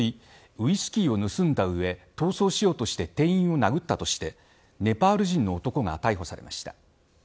ウイスキーを盗んだ上逃走しようとして店員を殴ったとしてネパール人の男が逮捕されました。